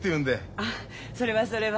ああそれはそれは。